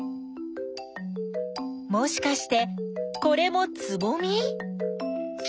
もしかしてこれもつぼみ？